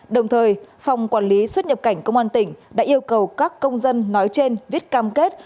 đồng thời phòng quản lý xuất nhập cảnh công an tỉnh đã yêu cầu các công dân nói trên viết cam kết